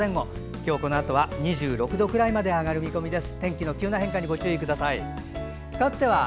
今日、このあとは２６度くらいまで上がる見込みです。